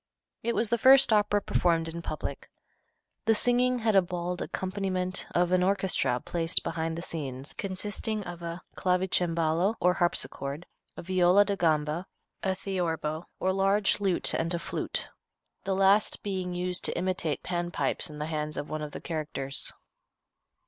It was the first opera performed in public. The singing had a bald accompaniment of an orchestra placed behind the scenes and consisting of a clavicembalo, or harpsichord, a viola da gamba, a theorbo, or large lute, and a flute, the last being used to imitate Pan pipes in the hands of one of the characters.